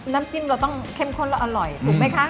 น้ำจิ้มเราต้องเข้มข้นแล้วอร่อยถูกไหมคะ